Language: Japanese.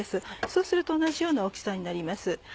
そうすると同じような大きさになります。